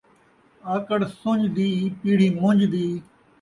آکڑ سنڄ دی، پیڑھی منڄ دی